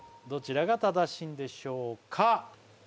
どちらが正しいんでしょうか？